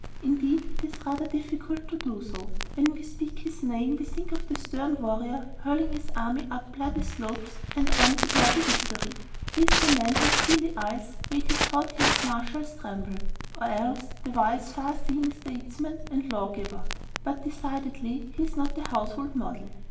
Indeed, it is rather difficult to do so. When we speak his name we think of the stern warrior hurling his armies up bloody slopes and on to bloody victory. He is the man whose steely eyes made his haughtiest marshals tremble, or else the wise, far seeing statesman and lawgiver; but decidedly he is not a household model.